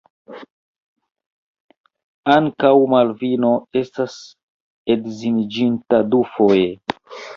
Ankaŭ Malvino estas edziniĝinta dufoje.